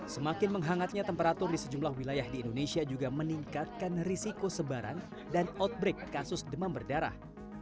semakin menghangatnya temperatur di sejumlah wilayah di indonesia juga meningkatkan risiko sebaran dan outbreak kasus demam berdarah